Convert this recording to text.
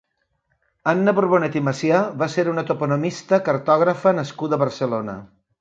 Anna Borbonet i Macià va ser una toponomista, cartògrafa nascuda a Barcelona.